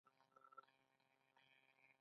خو زرګونه لوحې موندل ډېر ګران وي.